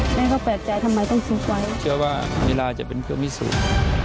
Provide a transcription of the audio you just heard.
ดังนั้นเขาเปลี่ยนแจทำไมต้องซุคไวท์เชื่อว่าเวลาจะเป็นเพื่อวิสุทธิ์